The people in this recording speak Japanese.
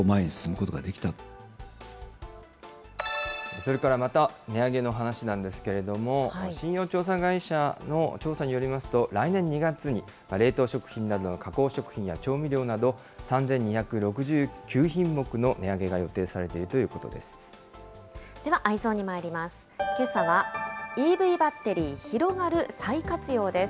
それからまた、値上げの話なんですけれども、信用調査会社の調査によりますと、来年２月に冷凍食品などの加工食品や調味料など、３２６９品目の値上げが予定されているということです。